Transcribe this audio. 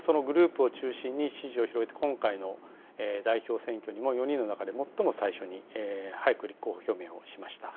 そのグループを中心に支持を広げ、今回の代表選挙にも、４人の中で最も最初に早く立候補表明をしました。